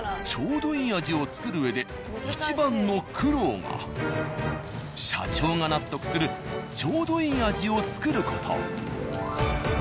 ちょうどいい味を作るうえで一番の苦労が社長が納得するちょうどいい味を作る事。